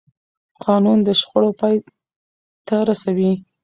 قانون د شخړو پای ته رسوي